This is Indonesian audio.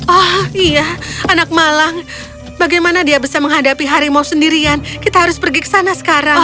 oh iya anak malang bagaimana dia bisa menghadapi harimau sendirian kita harus pergi ke sana sekarang